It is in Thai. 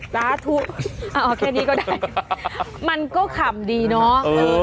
ล้าทุกอ่อแค่นี้ก็ได้มันก็ขำดีเนาะเออ